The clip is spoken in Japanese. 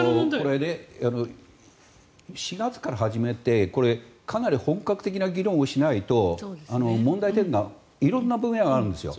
これ、４月から始めてかなり本格的な議論をしないと問題点が色んな分野であるんですよ。